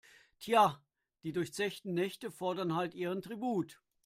Tja, die durchzechten Nächte fordern halt ihren Tribut.